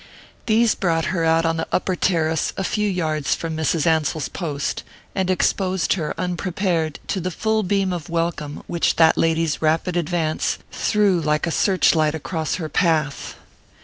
These brought her out on the upper terrace a few yards from Mrs. Ansell's post, and exposed her, unprepared, to the full beam of welcome which that lady's rapid advance threw like a searchlight across her path.